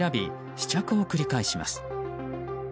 試着を繰り返します。